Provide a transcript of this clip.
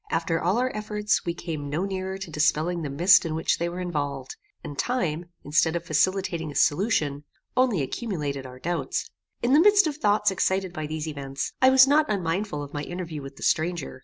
After all our efforts, we came no nearer to dispelling the mist in which they were involved; and time, instead of facilitating a solution, only accumulated our doubts. In the midst of thoughts excited by these events, I was not unmindful of my interview with the stranger.